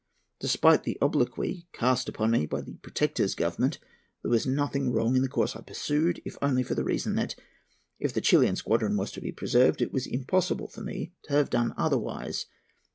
Despite the obloquy cast upon me by the Protector's Government, there was nothing wrong in the course I pursued, if only for the reason that, if the Chilian squadron was to be preserved, it was impossible for me to have done otherwise.